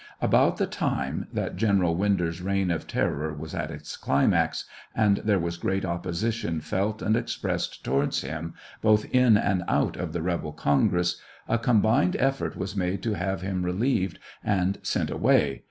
About the time that General Winder's reign of terror was at its climax, and there was great opposition felt and expressed towards him, both in and out of the rebel congress, a combined effort was made to have him relieved and sent away.